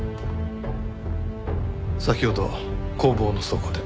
先ほど工房の倉庫で。